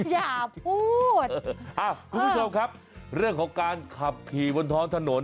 อย่าพูดคุณผู้ชมครับเรื่องของการขับขี่บนท้องถนน